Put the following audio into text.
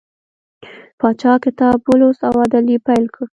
پاچا کتاب ولوست او عدل یې پیل کړ.